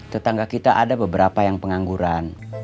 tetangga kita ada beberapa yang pengangguran